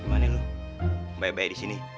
gimana lo baik baik disini